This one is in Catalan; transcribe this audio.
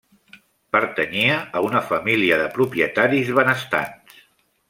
Pertanyia a una família de propietaris benestants.